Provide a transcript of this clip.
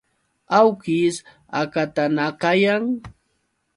Awkish hakatanakayan.